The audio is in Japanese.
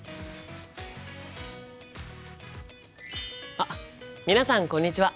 あっ皆さんこんにちは！